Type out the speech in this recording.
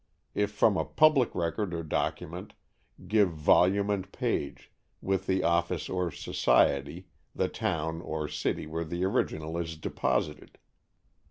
If from a public record or document, give volume and page, with the office or society, the town or city where the original is deposited.